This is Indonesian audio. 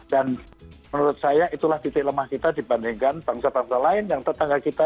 dan menurut saya itulah titik lemah kita dibandingkan bangsa bangsa lain yang tetangga kita saja